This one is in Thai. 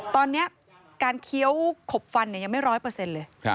ตอนนี้การเคี้ยวขบฟันยังไม่ร้อยเปอร์เซ็นต์เลย